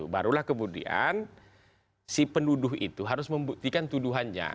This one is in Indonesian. barulah kemudian si penduduh itu harus membuktikan tuduhannya